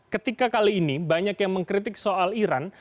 ketika kali ini banyak yang mengkritik soal iran